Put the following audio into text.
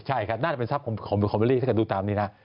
ใช่น่าจะเป็นทรัพย์ของบิลลี่ถ้าคุณดูตามนี้นะ